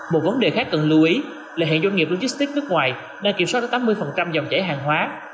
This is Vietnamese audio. một vấn đề khác cần lưu ý là hiện doanh nghiệp logistics nước ngoài đang kiểm soát tới tám mươi dòng chảy hàng hóa